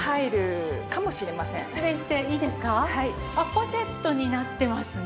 ポシェットになってますね。